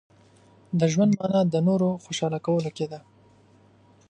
• د ژوند مانا د نورو خوشحاله کولو کې ده.